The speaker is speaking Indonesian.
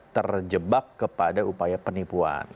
terjebak kepada upaya penipuan